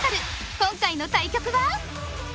今回の対局は。